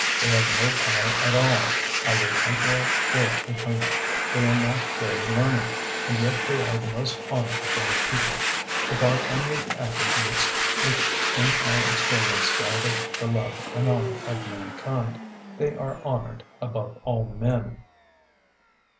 They have no power at all, either temporal or eternal; they are not very learned, and yet they are the most honoured of all people. Without any of the attributes which in our experience gather the love and honour of mankind, they are honoured above all men.